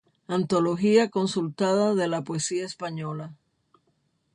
Antología consultada de la poesía española".